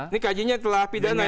ini kajiannya telah pidana